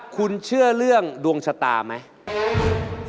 คุณเชื่อเรื่องดวงชะตาไหม